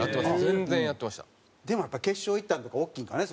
でもやっぱり決勝行ったんとか大きいんかね